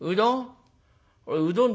うどん？